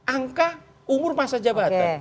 angka umur masa jabatan